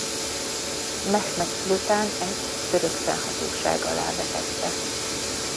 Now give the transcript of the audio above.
Mehmed szultán ezt török fennhatóság alá vetette.